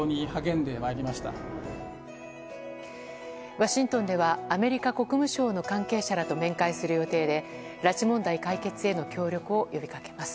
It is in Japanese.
ワシントンではアメリカ国務省の関係者らと面会する予定で拉致問題解決への協力を呼びかけます。